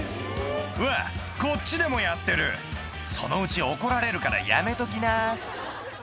うわこっちでもやってるそのうち怒られるからやめとき